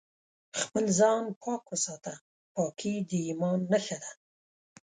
خپل ځان پاک وساته ، پاکي د ايمان نښه ده